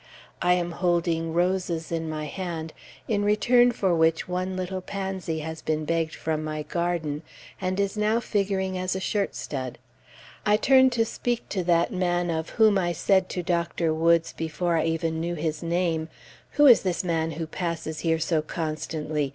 I am holding roses in my hand, in return for which one little pansy has been begged from my garden, and is now figuring as a shirt stud. I turn to speak to that man of whom I said to Dr. Woods, before I even knew his name, "Who is this man who passes here so constantly?